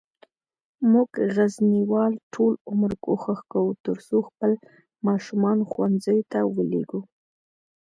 مونږه غزنیوال ټول عمر کوښښ کووه ترڅوخپل ماشومان ښوونځیوته ولیږو